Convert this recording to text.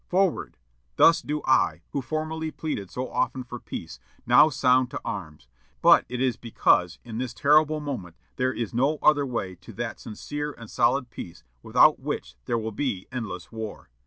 FORWARD! Thus do I, who formerly pleaded so often for peace, now sound to arms; but it is because, in this terrible moment, there is no other way to that sincere and solid peace without which there will be endless war....